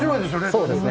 そうですね。